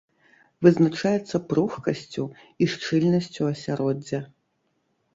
Вызначаецца пругкасцю і шчыльнасцю асяроддзя.